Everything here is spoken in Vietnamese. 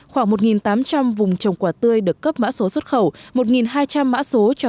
khoảng một tám trăm linh vùng trồng quả tươi được cấp mã số xuất khẩu một hai trăm linh mã số cho